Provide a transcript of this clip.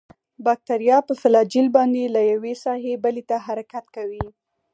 باکتریا په فلاجیل باندې له یوې ساحې بلې ته حرکت کوي.